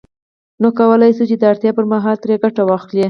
نو وکولای شي د اړتیا پر مهال ترې ګټه واخلي